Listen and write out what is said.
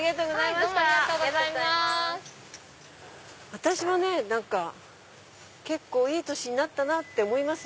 私もね何か結構いい年になったと思います。